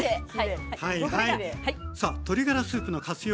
さあ鶏ガラスープの活用